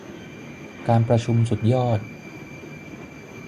การประชุมสุดยอด